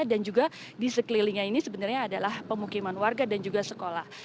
dan juga di sekelilingnya ini sebenarnya adalah pemukiman warga dan juga sekolah